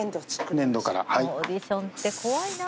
オーディションって怖いな。